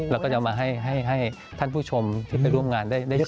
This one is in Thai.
แล้วก็จะมาให้ท่านผู้ชมที่ไปร่วมงานได้ชม